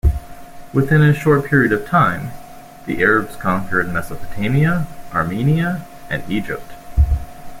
Within a short period of time, the Arabs conquered Mesopotamia, Armenia and Egypt.